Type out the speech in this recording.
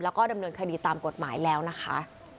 แล้วก็ดำเนินคดีตามกฎหมายแล้วนะคะ